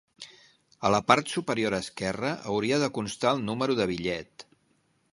A la part superior esquerra hauria de constar el número de bitllet.